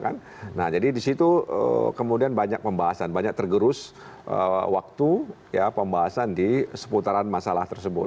nah jadi di situ kemudian banyak pembahasan banyak tergerus waktu pembahasan di seputaran masalah tersebut